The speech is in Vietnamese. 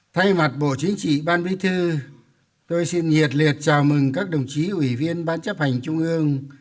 thay mặt bộ chính trị ban bí thư tôi xin nhiệt liệt chào mừng các đồng chí ủy viên ban chấp hành trung ương